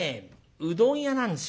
うどん屋なんですよ。